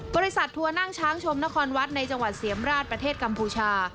ทัวร์นั่งช้างชมนครวัดในจังหวัดเสียมราชประเทศกัมพูชา